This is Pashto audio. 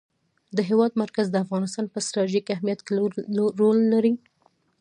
د هېواد مرکز د افغانستان په ستراتیژیک اهمیت کې رول لري.